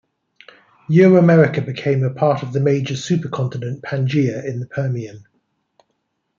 Euramerica became a part of the major supercontinent Pangaea in the Permian.